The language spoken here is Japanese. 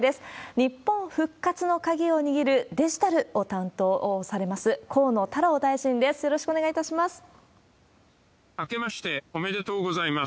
日本復活の鍵を握るデジタルを担当されます、河野太郎大臣です。